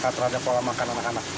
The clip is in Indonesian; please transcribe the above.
terhadap pola makan anak anak